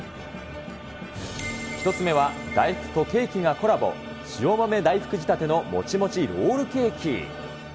１つ目は大福とケーキがコラボ、塩豆大福仕立てのもちもちロールケーキ。